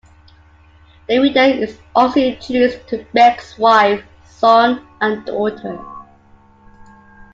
The reader is also introduced to Beck's wife, son and daughter.